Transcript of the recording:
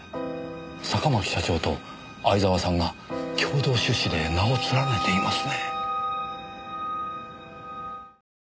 坂巻社長と相沢さんが共同出資で名を連ねていますね。